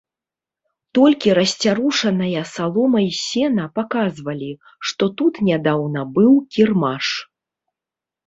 Толькі расцярушаная салома і сена паказвалі, што тут нядаўна быў кірмаш.